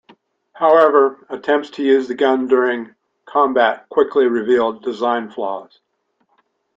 However, attempts to use the gun during combat quickly revealed design flaws.